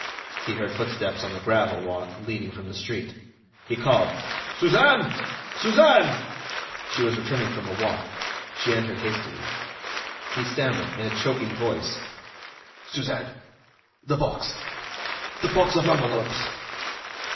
He heard footsteps on the gravel walk leading from the street. He called: "Suzanne! Suzanne!" She was returning from a walk. She entered hastily. He stammered, in a choking voice: "Suzanne ... the box ... the box of envelopes?"